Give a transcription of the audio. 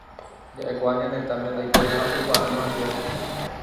Jaʼekuaa ñane retãme ndaiporiha oikuaaʼỹva chupe.